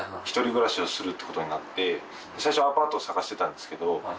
一人暮らしをするってことになって最初アパート探してたんですけど。